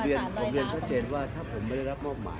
ผมเรียนก่อนกลางเจนว่าถ้าผมไม่ได้รับมาบหมาย